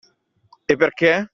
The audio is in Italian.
E perché?